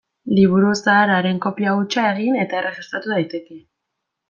Liburu zahar haren kopia hutsa egin eta erregistratu daiteke.